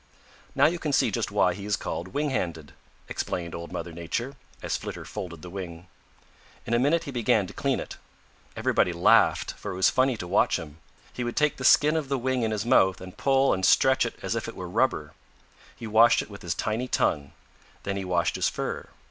"Now you can see just why he is called winghanded," explained Old Mother Nature, as Flitter folded the wing. In a minute he began to clean it. Everybody laughed, for it was funny to watch him. He would take the skin of the wing in his mouth and pull and stretch it as if it were rubber. He washed it with his tiny tongue. Then he washed his fur.